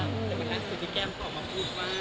แก้มออกมาพูดว่า